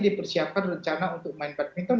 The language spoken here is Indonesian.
dipersiapkan rencana untuk main badminton